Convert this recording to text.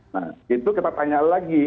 nah itu kita tanya lagi